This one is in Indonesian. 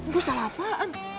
gue salah apaan